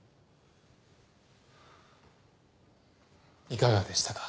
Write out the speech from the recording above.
いかがでしたか？